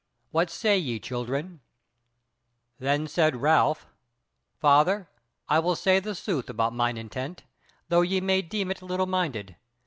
What say ye, children?" Then said Ralph: "Father, I will say the sooth about mine intent, though ye may deem it little minded.